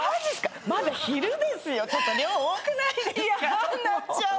嫌んなっちゃう！